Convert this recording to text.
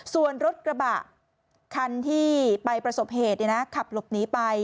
ส่วนรถกระบะคันที่ไปประสบเหตุขับหลบหนีไป